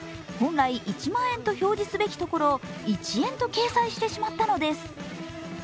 本来１万円と表示すべきところを、１円と掲載してしまったのです。